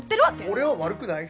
俺は悪くない。